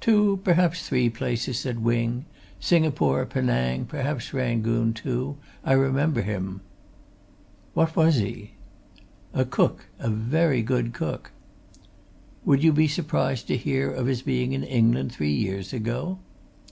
"Two perhaps three places," said Wing. "Singapore, Penang, perhaps Rangoon, too. I remember him." "What was he?" "A cook very good cook." "Would you be surprised to hear of his being in England three years ago?"